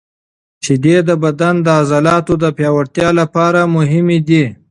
شیدې د بدن د عضلاتو د پیاوړتیا لپاره مهمې دي.